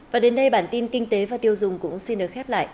và đến đây bản tin kinh tế và tiêu dùng cũng xin được khép lại